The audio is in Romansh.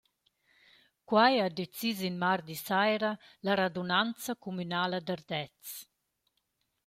Quai ha decis in mardi saira la radunanza cumünala d’Ardez.